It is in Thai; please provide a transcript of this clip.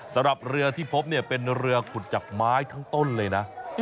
สำหรับเรือที่พบเนี่ยเป็นเรือขุดจากไม้ทั้งต้นเลยนะ